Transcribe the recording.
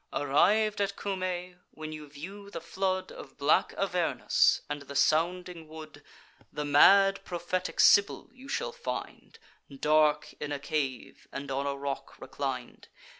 Arriv'd at Cumae, when you view the flood Of black Avernus, and the sounding wood, The mad prophetic Sibyl you shall find, Dark in a cave, and on a rock reclin'd.